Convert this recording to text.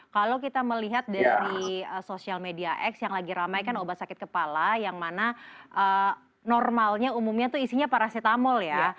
kalau kita melihat dari sosial media x yang lagi ramai kan obat sakit kepala yang mana normalnya umumnya itu isinya paracetamol ya